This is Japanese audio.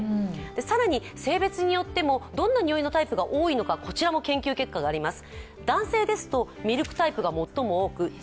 更に性別によっても、どんなにおいのタイプが多いのかこちらも研究結果があります。